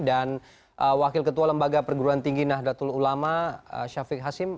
dan wakil ketua lembaga perguruan tinggi nahdlatul ulama syafiq hasim